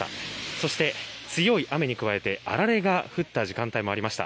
そして、強い雨に加えてあられが降った時間帯もありました。